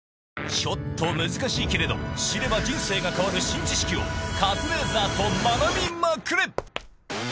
ちょっと難しいけれど知れば人生が変わる新知識をカズレーザーと学びまくれ！